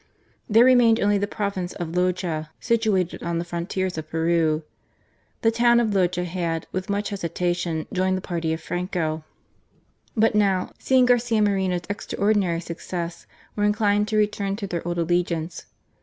There remained only the province of Loja, situated on the frontiers of Peru. The town of Loja had, with much hesitation, joined the party of Franco ; but now, seeing Garcia Moreno's extraordinary success, were inclined to return to their old allegiance.